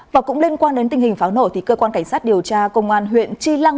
và cũng liên quan đến tình hình pháo nổ thì cơ quan cảnh sát điều tra công an huyện tri lăng